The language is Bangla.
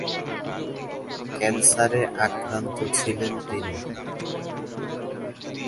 ক্যান্সারে আক্রান্ত ছিলেন তিনি।